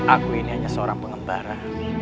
aku ini hanya seorang pengembara